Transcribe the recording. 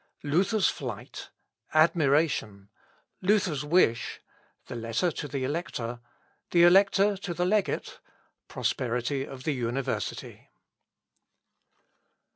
Luther's Flight Admiration Luther's Wish The Legate to the Elector The Elector to the Legate Prosperity of the University.